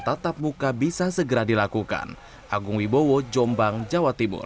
tatap muka bisa segera dilakukan agung wibowo jombang jawa timur